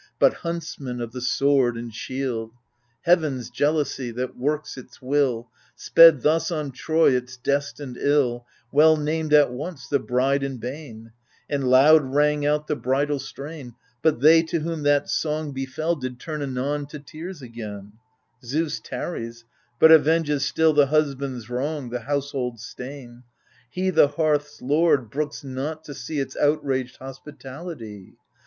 But huntsmen of the sword and shield. Heaven's jealousy, that works its will. Sped thus on Troy its destined ill, Well named, at once, the Bride and Bane ; And loud rang out the bridal strain ; But they to whom that song befel Did turn anon to tears again ; Zeus tarries, but avenges still The husband's wrong, the household's stain I He, the hearth's lord, brooks not to see Its outraged hospitality.